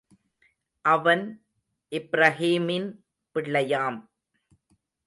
அவன் இப்ரஹீமின் பிள்ளையாம்.